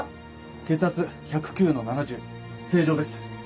血圧１０９の７０正常です。